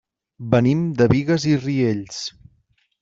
Venim de Bigues i Riells.